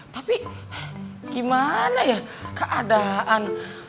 tapi gimana ya keadaan